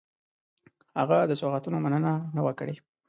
هغه د سوغاتونو مننه نه وه کړې.